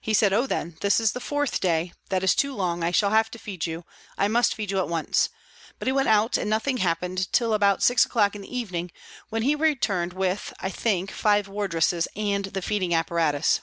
He said, " Oh, then, this is the fourth day ; that is too long, I shall have to feed you, I must feed you at once," but he went out and nothing happened till about 6 o'clock in the evening, when he returned with, I think, five wardresses and the feeding apparatus.